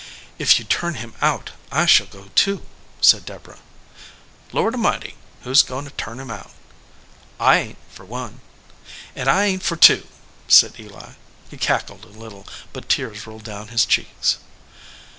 "If you turn him out I shall go too/ said Deb orah. "Lord A mighty, who s goin* to turn him out?" "I ain t, for or ." "And I ain t, for two," said Eli. He cackled a little, but tears rolled down his cheeks.